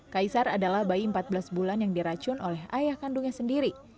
kaisar adalah bayi empat belas bulan yang diracun oleh ayah kandungnya sendiri